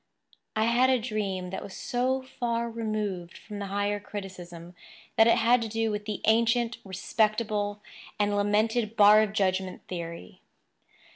I had a dream that was so far removed from the higher criticism that it had to do with the ancient, respectable, and lamented bar of judgment theory.